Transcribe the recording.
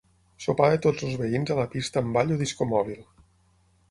Sopar de tots els veïns a la pista amb ball o disco mòbil.